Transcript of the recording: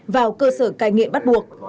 vào cơ sở cai nghiện bắt buộc